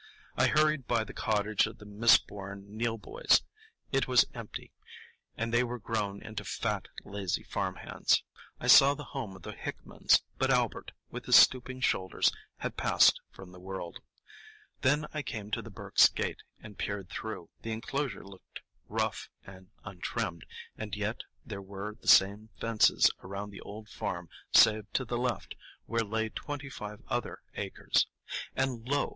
I hurried by the cottage of the misborn Neill boys. It was empty, and they were grown into fat, lazy farm hands. I saw the home of the Hickmans, but Albert, with his stooping shoulders, had passed from the world. Then I came to the Burkes' gate and peered through; the enclosure looked rough and untrimmed, and yet there were the same fences around the old farm save to the left, where lay twenty five other acres. And lo!